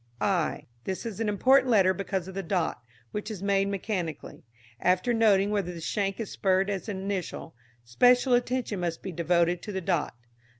i. This is an important letter because of the dot, which is made mechanically. After noting whether the shank is spurred as an initial, special attention must be devoted to the dot.